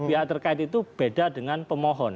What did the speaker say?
pihak terkait itu beda dengan pemohon